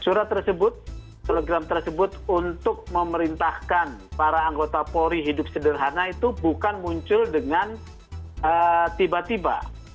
surat tersebut telegram tersebut untuk memerintahkan para anggota polri hidup sederhana itu bukan muncul dengan tiba tiba